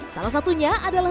salah satunya adalah